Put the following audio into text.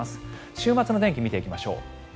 週末の天気見ていきましょう。